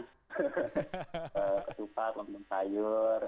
ketupat lembutan sayur